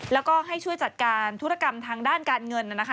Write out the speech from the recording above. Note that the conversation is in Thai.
แล้วก็ให้ช่วยจัดการธุรกรรมทางด้านการเงินนะคะ